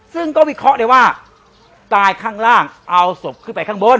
ซึ่งก็วิเคราะห์ได้ว่าตายข้างล่างเอาศพขึ้นไปข้างบน